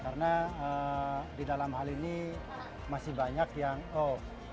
karena di dalam hal ini masih banyak yang oh